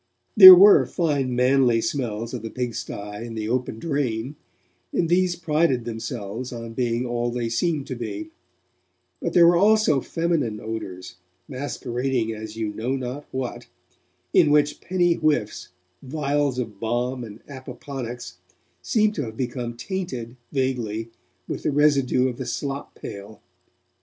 There were fine manly smells of the pigsty and the open drain, and these prided themselves on being all they seemed to be; but there were also feminine odours, masquerading as you knew not what, in which penny whiffs, vials of balm and opoponax, seemed to have become tainted, vaguely, with the residue of the slop pail.